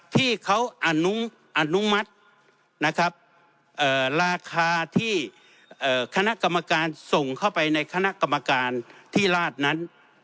ที่เขาอนุมัตินะครับราคาที่คณะกรรมการส่งเข้าไปในคณะกรรมการที่ราชนั้น